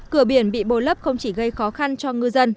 cửa biển bị bồi lấp không chỉ gây khó khăn cho ngư dân